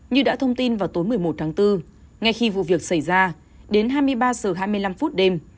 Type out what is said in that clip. như đã thông tin vào tối một mươi một tháng bốn ngay khi vụ việc xảy ra đến hai mươi ba h hai mươi năm phút đêm